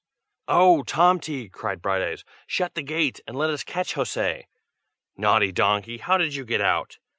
"Oh! Tomty," cried Brighteyes, "shut the gate, and let us catch José. Naughty donkey, how did you get out?